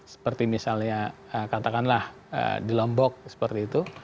seperti misalnya katakanlah di lombok seperti itu